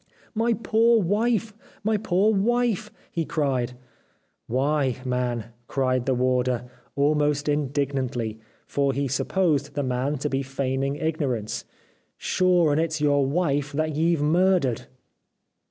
* My poor wife ! My poor wife !' he cried. ' Why, man !' cried the warder, almost indignantly, for he supposed the man to be feigning ignorance, ' sure and it's your wife that ye've murdered.'